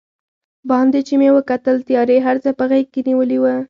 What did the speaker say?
باندې چې مې وکتل، تیارې هر څه په غېږ کې نیولي و.